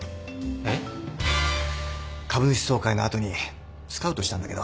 えっ？株主総会の後にスカウトしたんだけど。